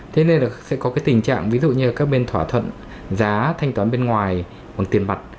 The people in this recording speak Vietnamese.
thế nên là sẽ có cái tình trạng ví dụ như là các bên thỏa thuận giá thanh toán bên ngoài bằng tiền mặt